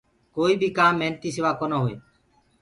ڪوئي بي ڪآم محنتي سوآ ڪونآ هوئي۔